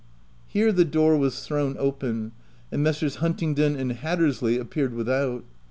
Here the door was thrown open, and Messrs. Huntingdon and Hattersley appeared without.